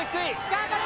頑張れ！